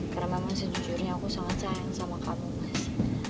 karena memang sejujurnya aku sangat sayang sama kamu